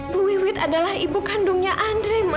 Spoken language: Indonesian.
bu wiwit adalah ibu kandungnya andres ma